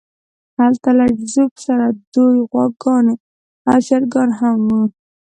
هلته له جوزف سره دوې غواګانې او چرګان هم وو